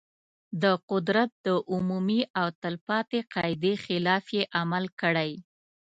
د قدرت د عمومي او تل پاتې قاعدې خلاف یې عمل کړی.